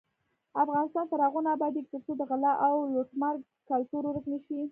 افغانستان تر هغو نه ابادیږي، ترڅو د غلا او لوټمار کلتور ورک نشي.